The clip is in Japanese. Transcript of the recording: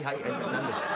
何ですか？